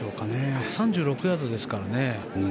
１３６ヤードですからね。